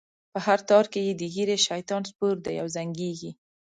په هر تار کی یې د ږیری؛ شیطان سپور دی او زنګیږی